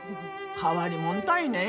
変わりもんたいね。